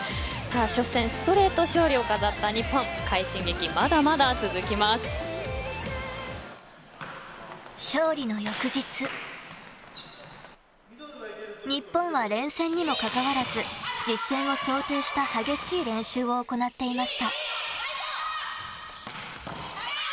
初戦ストレート勝利を飾った日本勝利の翌日日本は連戦にもかかわらず実戦を想定した激しい練習を行っていました。